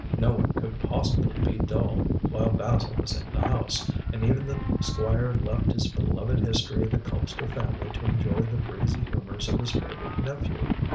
No one could possibly be dull while Basil was in the house, and even the Squire left his beloved history of the Colpster family to enjoy the breezy humours of his favourite nephew.